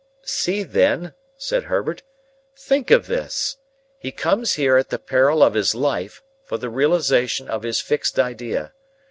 "See, then," said Herbert; "think of this! He comes here at the peril of his life, for the realisation of his fixed idea.